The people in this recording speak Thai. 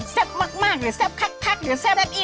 แซปมากหรือแซปคักหรือแซปอีรี่